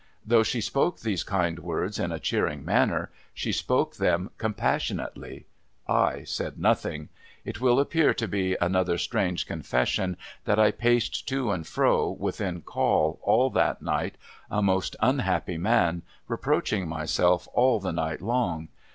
Though she spoke these kind words in a cheering manner, she spoke them compassionately. I said nothing. It will appear to be another strange confession, that I paced to and fro, within call, all that night, a most unhappy man, reproaching myself all the night long.